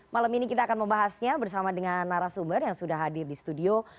malam ini kita akan membahasnya bersama dengan narasumber yang sudah hadir di studio